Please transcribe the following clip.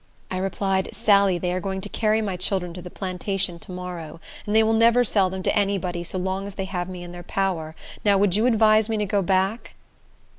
I replied, "Sally, they are going to carry my children to the plantation to morrow; and they will never sell them to any body so long as they have me in their power. Now, would you advise me to go back?"